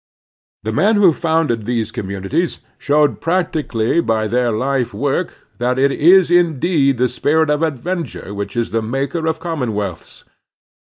The men who founded these communities showed practically by their life work that it is indeed the spirit of adventure which is the maker of commonwealths.